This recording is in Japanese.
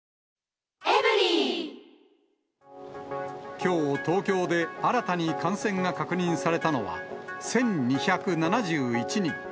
きょう、東京で新たに感染が確認されたのは、１２７１人。